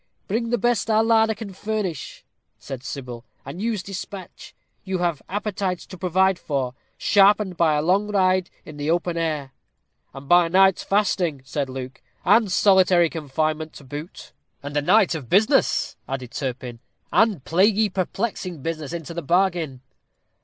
"Bring the best our larder can furnish," said Sybil, "and use despatch. You have appetites to provide for, sharpened by a long ride in the open air." "And by a night's fasting," said Luke, "and solitary confinement to boot." "And a night of business," added Turpin "and plaguy perplexing business into the bargain."